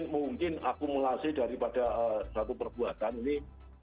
mungkin akumulasi daripada satu perbuatan ini